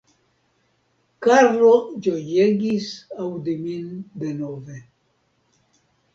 Karlo ĝojegis aŭdi min denove.